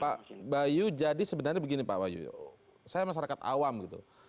pak bayu jadi sebenarnya begini pak bayu saya masyarakat awam gitu